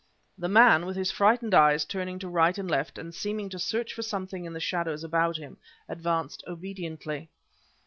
The man, with his frightened eyes turning to right and left, and seeming to search for something in the shadows about him, advanced obediently.